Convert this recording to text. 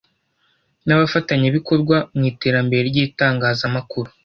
n’abafatanyabikorwa mu iterambere ry’itangazamakuru